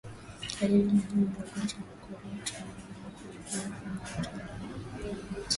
Dalili muhimu ya ugonjwa wa ukurutu ni wanyama kujikuna kwenye kuta na miti